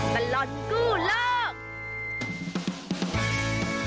มันร้อนกู้เลิก